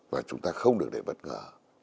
và chúng ta không được để bất ngờ